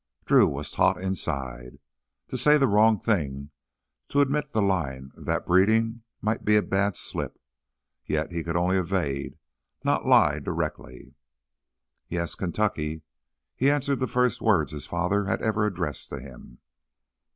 Drew was taut inside. To say the wrong thing, to admit the line of that breeding, might be a bad slip. Yet he could only evade, not lie directly. "Yes, Kentucky." He answered the first words his father had ever addressed to him.